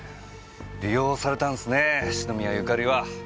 利用されたんすねぇ篠宮ゆかりは。